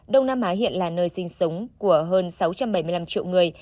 đông nam á hiện là nơi sinh sống của hơn sáu trăm bảy mươi năm triệu người